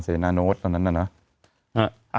เสนาโน้ตตอนนั้นน่ะนะ